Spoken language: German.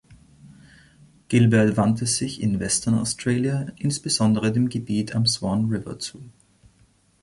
Gilbert wandte sich in Western Australia insbesondere dem Gebiet am Swan River zu.